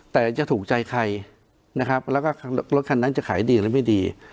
แต่จะถูกใจใครนะครับแล้วก็รถคันนั้นจะขายดีหรือไม่ดี